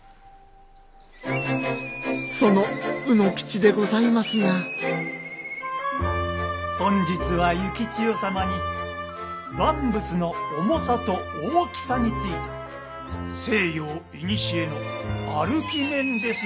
その卯之吉でございますが本日は幸千代様に万物の重さと大きさについて西洋古のあるきめんです